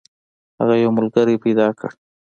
هغه یو ملګری پیدا کړ.